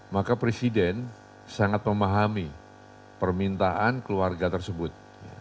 maka presiden sangat memahami permintaan keluarga tersebut